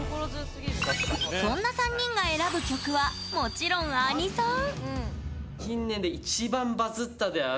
そんな３人が選ぶ曲はもちろん、アニソン。